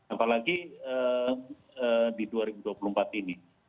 apalagi di dua ribu dua puluh empat ini